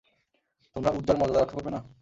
তোমরা উযযার মর্যাদা রক্ষা করবে না?